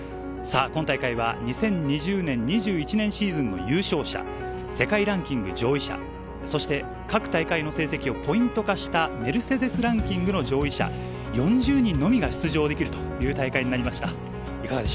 今大会は２０２０年、２１年の優勝者、世界ランキング上位者、各大会の成績をポイント化したメルセデスランキングの上位者、４０人のみが出場できる大会になりました。